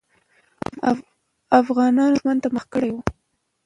افغانان دښمن ته مخه کړې وه.